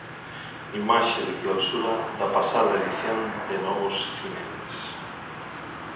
Imaxe da clausura da pasada edición de Novos Cinemas.